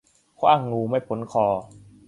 ขว้างงูไม่พ้นคอ